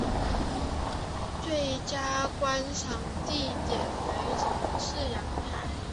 最佳观赏地点为城市阳台。